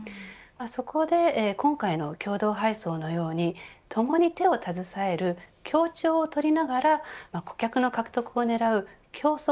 そこで今回の共同配送のようにともに手を携える協調を取りながら顧客の獲得を狙う競争